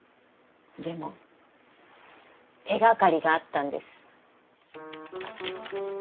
でも手がかりがあったんです。